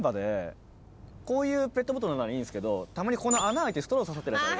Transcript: こういうペットボトルならいいんですけどたまにここの穴開いてストロー刺さってるやつ。